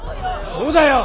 そうだよ！